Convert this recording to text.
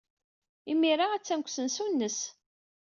Imir-a, attan deg usensu-nnes.